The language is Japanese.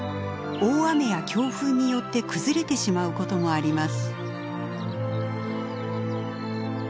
大雨や強風によって崩れてしまうこともあります。